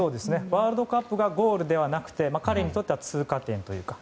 ワールドカップがゴールではなくて彼にとっては通過点というか。